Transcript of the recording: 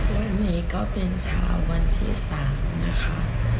วันนี้ก็เป็นเช้าวันที่๓นะคะ